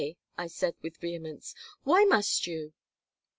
I said, with vehemence. "Why must you?"